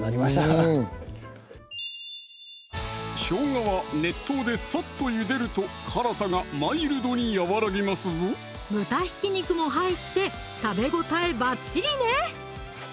うんしょうがは熱湯でサッとゆでると辛さがマイルドに和らぎますぞ豚ひき肉も入って食べ応えバッチリね！